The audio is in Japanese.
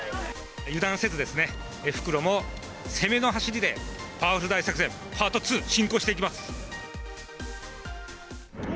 油断せずですね、復路も攻めの走りで、パワフル大作戦パート２、進行していきます。